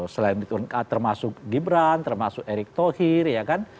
selain termasuk gibran termasuk erick thohir ya kan